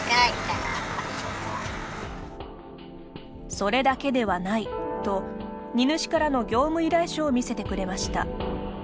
「それだけではない」と荷主からの業務依頼書を見せてくれました。